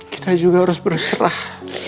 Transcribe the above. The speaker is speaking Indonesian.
kita juga harus berserah